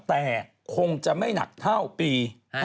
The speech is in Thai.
แต่คงจะไม่หนักเท่าปี๕๗